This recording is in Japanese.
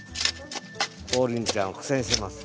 王林ちゃんは苦戦してます。